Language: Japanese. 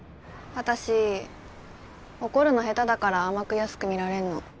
私怒るの下手だから甘く安く見られんの。